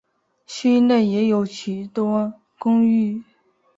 区内也有许多公寓。